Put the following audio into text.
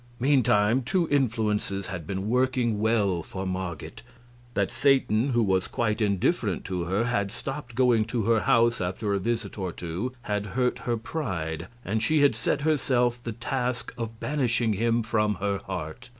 Meantime two influences had been working well for Marget. That Satan, who was quite indifferent to her, had stopped going to her house after a visit or two had hurt her pride, and she had set herself the task of banishing him from her heart.